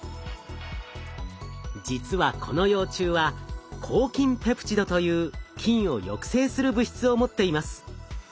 実はこの幼虫は抗菌ペプチドという菌を抑制する物質を持っています。